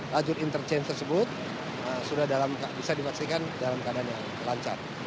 lajur interchange tersebut sudah bisa dipastikan dalam keadaan yang lancar